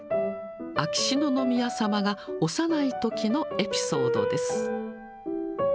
秋篠宮さまが幼いときのエピソードです。